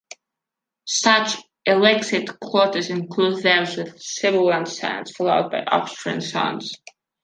Such illicit clusters include those with sibilant sounds followed by obstruent sounds.